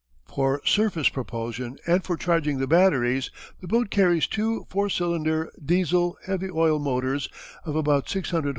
For surface propulsion and for charging the batteries, the boat carries two 4 cylinder, Diesel, heavy oil motors of about 600 H.